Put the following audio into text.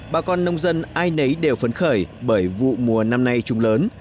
bà con nông dân ai nấy đều phấn khởi bởi vụ mùa năm nay trùng lớn